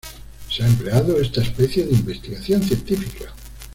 Se ha empleado esta especie en investigación científica.